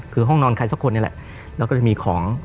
คือห้องนอนใครสักคนนี่แหละแล้วก็จะมีของ